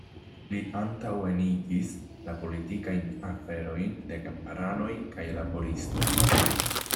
Li antaŭenigis la politikajn aferojn de kamparanoj kaj laboristoj.